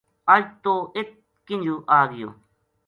اج توہ اِت کینجو آ گیو